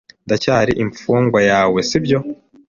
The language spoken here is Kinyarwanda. Ndacyari imfungwa yawe, sibyo?